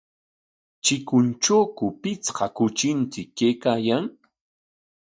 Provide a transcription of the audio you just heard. ¿Chikuntrawku pichqa kuchinchik kaykaayan?